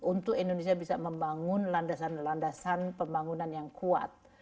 untuk indonesia bisa membangun landasan landasan pembangunan yang kuat